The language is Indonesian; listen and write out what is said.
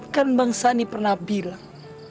kan bang sandi pernah bilang